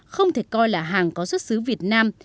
không thể coi là hàng có xuất xứ việt nam